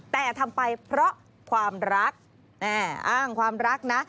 แต่ทำไปเพราะความรักอ้างความรักนะ